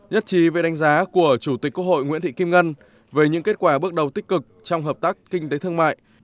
nhất trí về đánh giá của chủ tịch quốc hội nguyễn thị kim ngân về những kết quả bước đầu tích cực trong hợp tác kinh tế thương mại